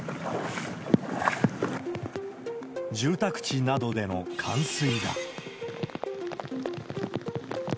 住宅地などでの冠水だ。